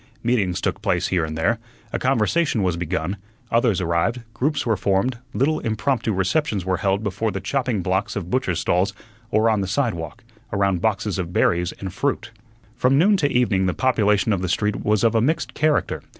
Meetings took place here and there; a conversation was begun; others arrived; groups were formed; little impromptu receptions were held before the chopping blocks of butchers' stalls, or on the sidewalk, around boxes of berries and fruit. From noon to evening the population of the street was of a mixed character.